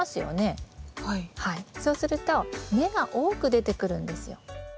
そうすると根が多く出てくるんですよ。